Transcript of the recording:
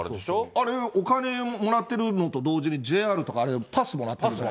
あれ、お金もらってるのと同時にＪＲとかあれ、パスもらってる。